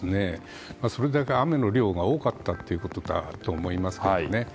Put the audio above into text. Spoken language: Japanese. それだけ雨の量が多かったということだと思いますけどね。